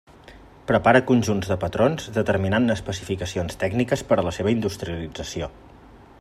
Prepara conjunts de patrons determinant-ne especificacions tècniques per a la seva industrialització.